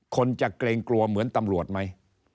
คนจะเกรงกลัวเหมือนตำรวจไหม